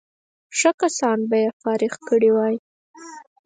ښه کسان به یې فارغ کړي وای.